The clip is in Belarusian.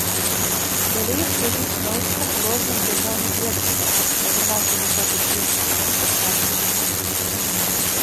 Далей служыў чыноўнікам у розных дзяржаўных ведамствах, атрымаўшы высокі чын сапраўднага стацкага саветніка.